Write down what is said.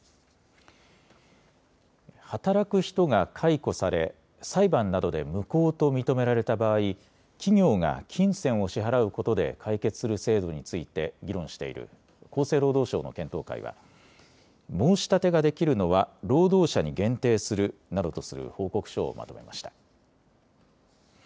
働く人が解雇され裁判などで無効と認められた場合、企業が金銭を支払うことで解決する制度について議論している厚生労働省の検討会は申し立てができるのは労働者に限定するなどとする報告書をまとめました。